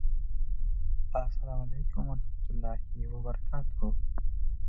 The orchestra's principal concert venue is the Rudolfinum.